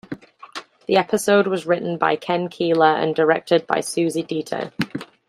The episode was written by Ken Keeler and directed by Susie Dietter.